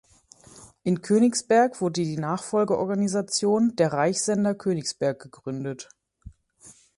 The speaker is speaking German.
In Königsberg wurde die Nachfolgeorganisation, der Reichssender Königsberg gegründet.